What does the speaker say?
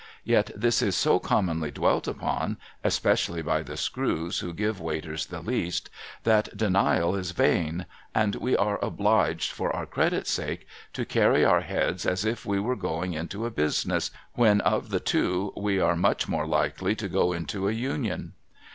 Yet this is so commonly dwelt upon — especially by the screws who give Waiters the least — that denial is vain ; and we are obliged, for our credit's sake, to carry our heads as if we were going into a business, when of the two we are much more likely to go into a union.